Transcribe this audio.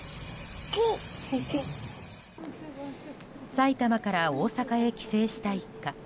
埼玉から大阪へ帰省した一家。